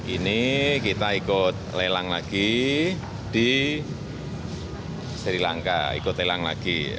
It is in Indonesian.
ini kita ikut lelang lagi di sri lanka ikut lelang lagi